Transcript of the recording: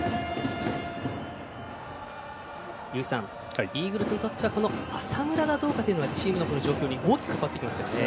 井口さん、イーグルスにとっては浅村がどうかというのはチームの状況に大きく変わってきますね。